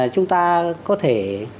chúng ta có thể